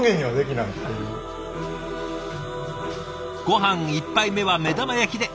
ごはん１杯目は目玉焼きで。